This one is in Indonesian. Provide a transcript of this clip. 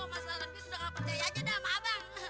masalahnya sudah gak percaya aja deh sama abang